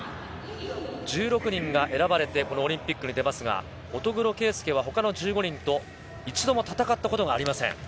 １６人が選ばれてオリンピックに出ますが、乙黒圭祐は他の１５人と一度も戦ったことがありません。